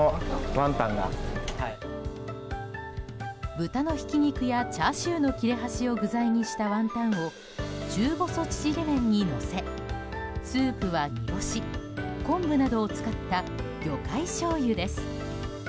豚のひき肉や、チャーシューの切れ端を具材にしたワンタンを中細縮れ麺にのせスープは煮干し、昆布などを使った魚介しょうゆです。